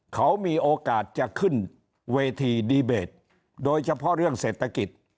เขามีโอกาสจะขึ้นเวทีดีเบตโดยเฉพาะเรื่องเศรษฐกิจ